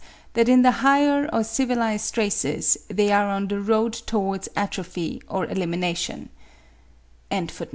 that in the higher or civilised races they are on the road towards atrophy or elimination.)